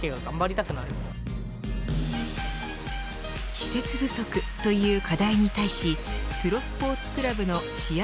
施設不足という課題に対しプロスポーツクラブの試合